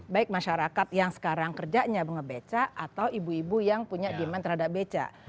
baik masyarakat yang sekarang kerjanya ngebeca atau ibu ibu yang punya demand terhadap beca